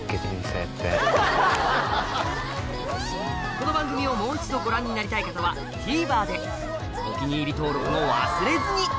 この番組をもう一度ご覧になりたい方はＴＶｅｒでお気に入り登録も忘れずに！